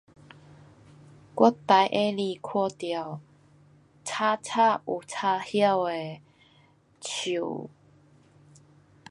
我最喜欢看到青青有插腰的手。